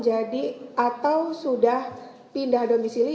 atau sudah pindah domisili